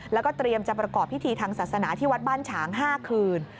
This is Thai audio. แล้วก็เตรียมจะประกอบพิธีทางศาสนาที่วัดบ้านฉาง๕คืน